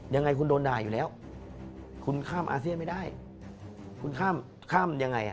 ยังไงคุณโดนด่าอยู่แล้วคุณข้ามอาเซียนไม่ได้คุณข้ามข้ามยังไงอ่ะ